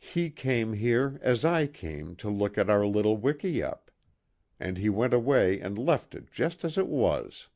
"He came here, as I came, to look at our little wikiup. And he went away and left it just as it was."